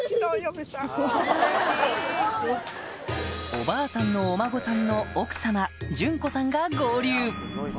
おばあさんのお孫さんの奥様順子さんが合流